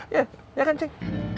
iya kan cik